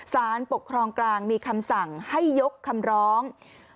สารปกครองกลางมีคำสั่งให้ยกคำร้อง